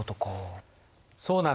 そうなんだ。